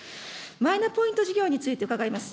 マイナポイント事業について伺います。